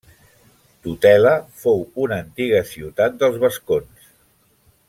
Tutela fou una antiga ciutat dels vascons.